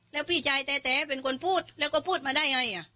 แล้วพี่ชายแท้เป็นคนพูดแล้วก็พูดมาได้ไง